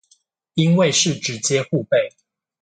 因為是直接護貝